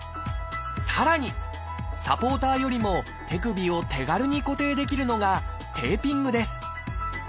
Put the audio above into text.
さらにサポーターよりも手首を手軽に固定できるのがテーピングです。